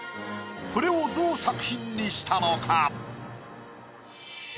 これをどう作品にしたのか？